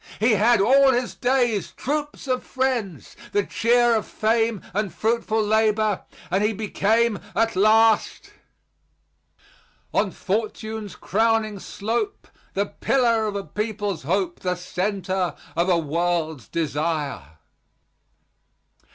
He had, all his days, troops of friends, the cheer of fame and fruitful labor; and he became at last, "On fortune's crowning slope, The pillar of a people's hope, The center of a world's desire."